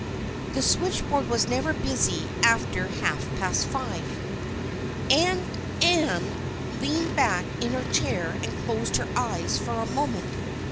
The switchboard was never very busy after half past five, and Ann leaned back in her chair and closed her eyes for a moment.